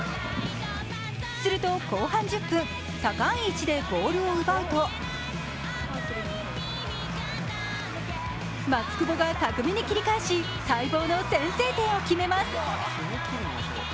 すると後半１０分、高い位置でボールを奪うと松窪が巧みに切り返し、待望の先制点を決めます。